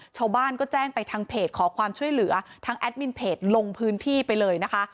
ชาวบ้านก็แจ้งไปทางเพจขอความช่วยเหลือทั้งแอดมินเพจลงพื้นที่ไปเลยนะคะ